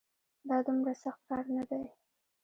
دا دومره سخت کار نه دی